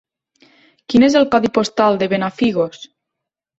Quin és el codi postal de Benafigos?